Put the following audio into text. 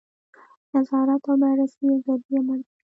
نظارت او بررسي یو ضروري امر دی.